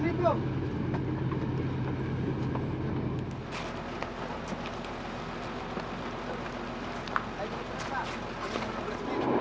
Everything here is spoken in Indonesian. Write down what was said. udah di these ungu gue